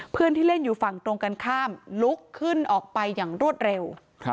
เพื่อนที่เล่นอยู่ฝั่งตรงกันข้ามลุกขึ้นออกไปอย่างรวดเร็ว